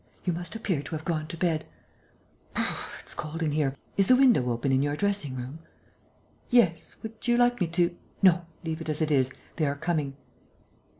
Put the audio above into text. "You must appear to have gone to bed. Brrrr, it's cold in here! Is the window open in your dressing room?" "Yes ... would you like me to ...?" "No, leave it as it is. They are coming."